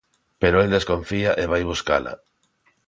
Pero el desconfía e vai buscala.